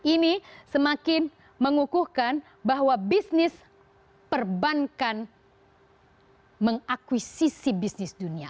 ini semakin mengukuhkan bahwa bisnis perbankan mengakuisisi bisnis dunia